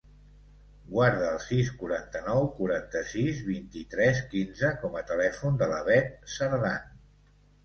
Guarda el sis, quaranta-nou, quaranta-sis, vint-i-tres, quinze com a telèfon de la Beth Cerdan.